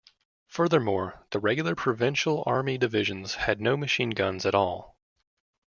Furthermore, the regular provincial army divisions had no machine guns at all.